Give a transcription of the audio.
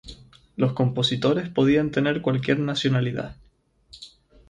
Los compositores podían tener cualquier nacionalidad.